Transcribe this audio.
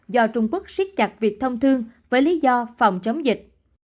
do trung quốc siết chặt việc thông thương với lý do phòng chống dịch